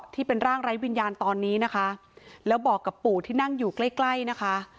ที่เป็นร่างไร้วิญญาณตอนนี้นะคะแล้วบอกกับปู่ที่นั่งอยู่ใกล้ใกล้นะคะ